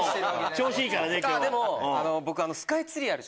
調子いいからね今日。